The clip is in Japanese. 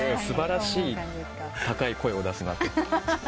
素晴らしい高い声を出すなと。